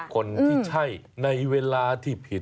คนที่ใช่ในเวลาที่ผิด